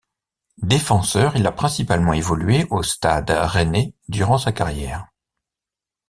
Défenseur, il a principalement évolué au Stade rennais durant sa carrière.